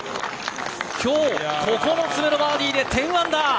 今日、９つ目のバーディーで１０アンダー。